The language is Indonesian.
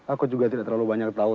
aku juga tidak terlalu banyak tahu